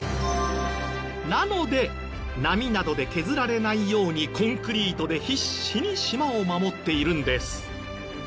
なので波などで削られないようにコンクリートで必死に島を守っているんです。